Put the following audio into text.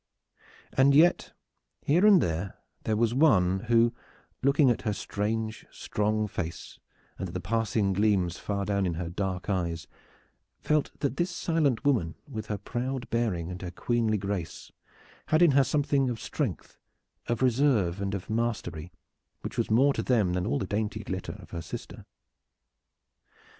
And yet, here and there, there was one who, looking at her strange, strong face, and at the passing gleams far down in her dark eyes, felt that this silent woman with her proud bearing and her queenly grace had in her something of strength, of reserve and of mystery which was more to them than all the dainty glitter of her sister.